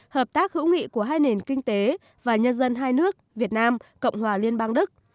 hợp tác hữu nghị của hai nền kinh tế và nhân dân hai nước việt nam cộng hòa liên bang đức